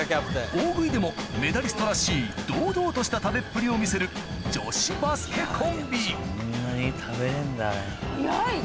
・大食いでもメダリストらしい堂々とした食べっぷりを見せる女子バスケコンビ早い。